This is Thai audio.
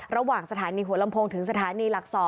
ระหว่างสถานีหัวลำโพงถึงสถานีหลัก๒